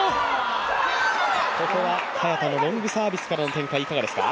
ここは早田のロングサービスからの展開、いかがですか？